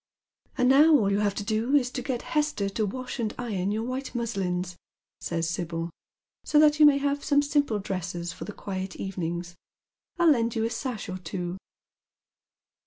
" And now all you have to do is to get Hester to wash and iron your white muslins," says Sibyl, " so that you may have some simple dresses for the quiet evenings. I'll lend you a sash or two."